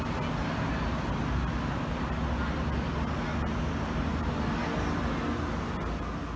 โปรดติดตามต่อไป